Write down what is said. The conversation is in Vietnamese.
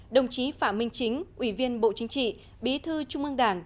đồng chí phạm minh chính ủy viên bộ chính trị bí thư trung ương đảng